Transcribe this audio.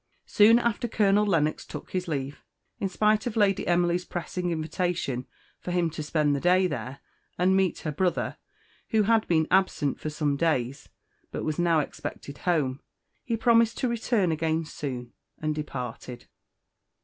Soon after Colonel Lennox took his leave, in spite of Lady Emily's pressing invitation for him to spend the day there, and meet her brother, who had been absent for some days, but was now expected home. He promised to return again soon, and departed.